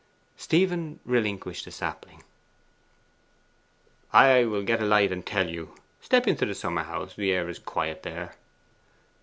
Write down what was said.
Stephen relinquished the sapling. 'I will get a light and tell you. Step into the summer house; the air is quiet there.